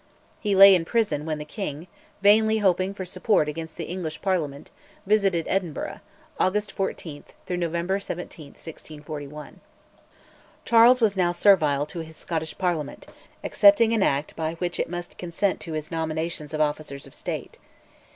He lay in prison when the king, vainly hoping for support against the English Parliament, visited Edinburgh (August 14 November 17, 1641). Charles was now servile to his Scottish Parliament, accepting an Act by which it must consent to his nominations of officers of State.